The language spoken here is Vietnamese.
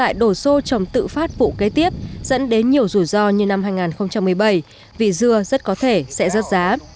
hồ sô chồng tự phát vụ kế tiếp dẫn đến nhiều rủi ro như năm hai nghìn một mươi bảy vì dưa rất có thể sẽ rớt giá